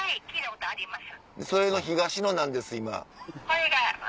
それの東野なんです今。